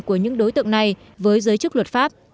của những đối tượng này với giới chức luật pháp